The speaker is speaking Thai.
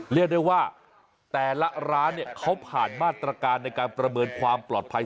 เรียกได้ว่าแต่ละร้านเนี่ยเขาผ่านมาตรการในการประเมินความปลอดภัย